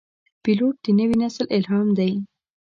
پیلوټ د نوي نسل الهام دی.